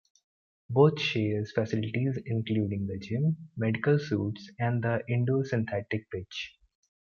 Both share facilities including the gym, medical suite and the indoor synthetic pitch.